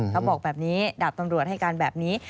เขาบอกแบบนี้ดาบตำรวจให้การแบบนี้